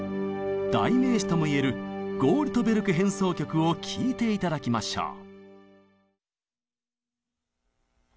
代名詞とも言える「ゴールトベルク変奏曲」を聴いて頂きましょう。